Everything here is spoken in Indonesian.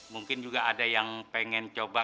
mungkin juga ada yang pengen coba